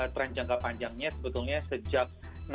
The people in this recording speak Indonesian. tren jangka panjangnya sebetulnya sejak